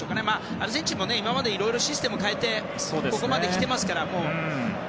アルゼンチンも、今までいろいろシステムを変えてここまで来てますから。